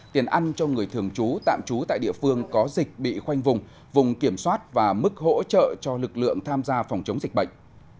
tiền ăn cho người thường trú tạm trú tại địa phương có dịch bị khoanh vùng vùng kiểm soát và mức hỗ trợ cho lực lượng tham gia phòng chống dịch bệnh